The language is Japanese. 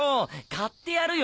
買ってやるよ。